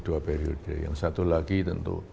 dua periode yang satu lagi tentu